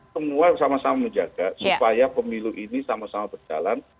semua sama sama menjaga supaya pemilu ini sama sama berjalan